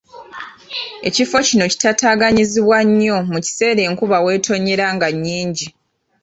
Ekifo kino kitaataaganyizibwa nnyo mu kiseera enkuba weetonnyera nga nnyingi.